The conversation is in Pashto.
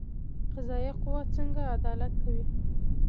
قضایه قوه څنګه عدالت کوي؟